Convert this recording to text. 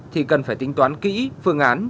thì cần phải tính toán kỹ phương án